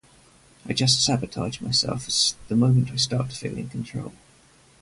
I just sabotage myself the moment I start to feel in control.